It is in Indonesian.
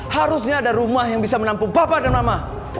harusnya ada rumah yang bisa menampung papa dan mama